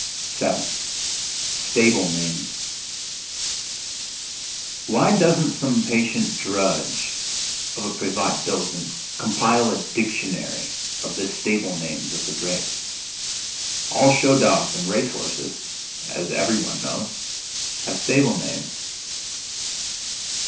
VII STABLE NAMES Why doesn't some patient drudge of a privat dozent compile a dictionary of the stable names of the great? All show dogs and race horses, as everyone knows, have stable names.